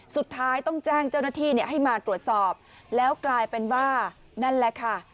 สุดท้ายต้องแจ้งเจ้าหน้าที่ให้มาตรวจสอบแล้วกลายเป็นว่านั่นแหละค่ะ